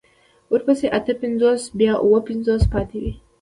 ورپسې اته پنځوس بيا اوه پنځوس پاتې وي.